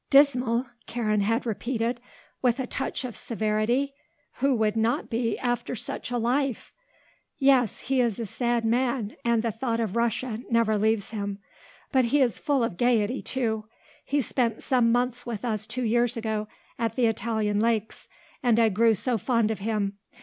"Dismal?" Karen had repeated, with a touch of severity. "Who would not be after such a life? Yes, he is a sad man, and the thought of Russia never leaves him. But he is full of gaiety, too. He spent some months with us two years ago at the Italian lakes and I grew so fond of him.